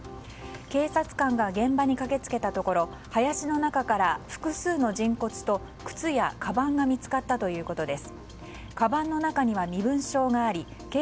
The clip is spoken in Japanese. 警察官が現場に駆け付けたところ林の中から複数の人骨と靴やかばんが見つかったということです。